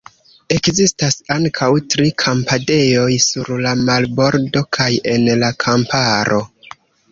Ekzistas ankaŭ tri kampadejoj – sur la marbordo kaj en la kamparo.